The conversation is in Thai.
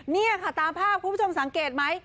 นี่ค่ะตามภาพคุณผู้ชมสังเกตไหม